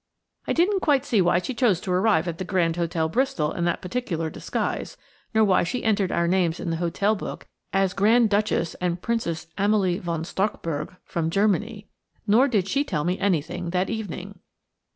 I didn't quite see why she chose to arrive at the Grand Hotel, Bristol, in that particular disguise, nor why she entered our names in the hotel book as Grand Duchess and Princess Amalie von Starkburg, from Germany; nor did she tell me anything that evening.